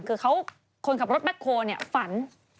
คือคนขับรถแบ็คโฮฝัน